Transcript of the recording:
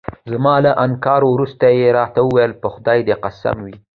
زما له انکار وروسته يې راته وویل: په خدای دې قسم وي.